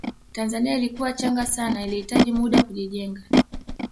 tanzania ilikuwa changa sana ilihitaji muda kujijenga